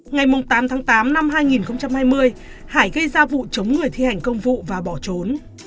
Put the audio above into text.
ngày tám tháng tám năm hai nghìn hai mươi hải gây ra vụ chống người thi hành công vụ và bỏ trốn